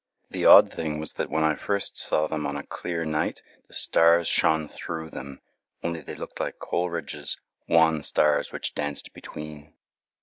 The odd thing was that when I first saw them on a clear night, the stars shone through them, only they looked like Coleridge's "wan stars which danced between."